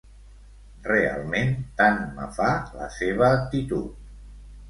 Realment tant me fa la seva actitud